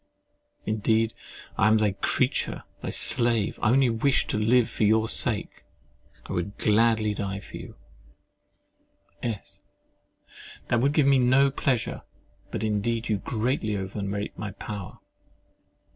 Indeed I am thy creature, thy slave—I only wish to live for your sake—I would gladly die for you— S. That would give me no pleasure. But indeed you greatly overrate my power.